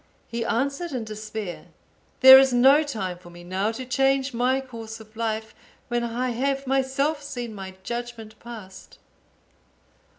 He answered in despair, "There is no time for me now to change my course of life, when I have myself seen my judgement passed."